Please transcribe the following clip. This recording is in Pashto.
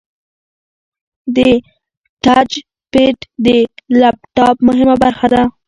د ټچ پیډ د لپټاپ مهمه برخه ده.